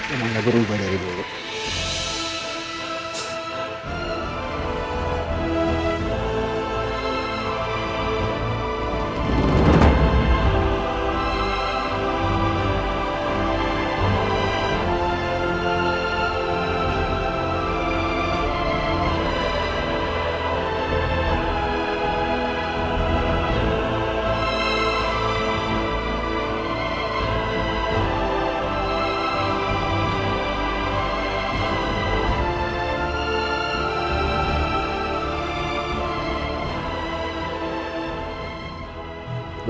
emang ada berubah dari dulu